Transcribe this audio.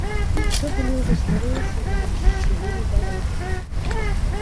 То былі ўжо старыя сяляне, з сівымі бародамі.